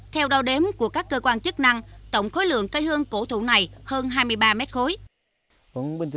theo đo đếm của các cơ quan chức năng tổng khối lượng cây hương cổ thụ này hơn hai mươi ba mét khối